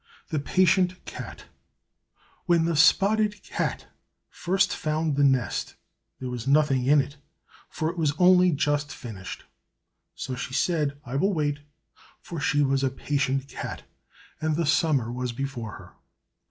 '" THE PATIENT CAT When the spotted cat first found the nest, there was nothing in it, for it was only just finished. So she said, "I will wait!" for she was a patient cat, and the summer was before her.